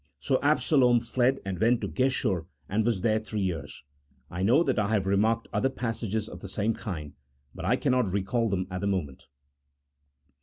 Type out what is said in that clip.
So Absalom fled, and went to Geshur, and was there three years." I know that I have remarked other passages of the same kind, but I cannot recall them at the moment.